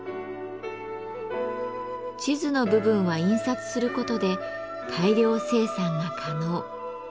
地図の部分は印刷することで大量生産が可能。